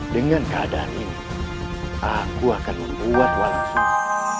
dengan keadaan ini aku akan membuat wang suci